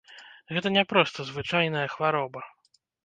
Гэта не проста звычайная хвароба.